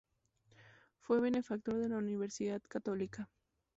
Fue benefactor de la Universidad Católica.